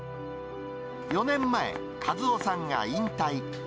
４年前、一夫さんが引退。